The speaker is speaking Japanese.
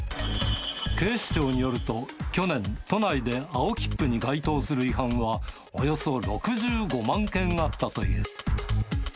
警視庁によると、去年、都内で青切符に該当する違反は、およそ６５万件あったという。